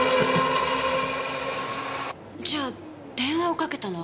じゃあ電話をかけたのは佐藤謙？